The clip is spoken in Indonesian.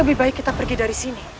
lebih baik kita pergi dari sini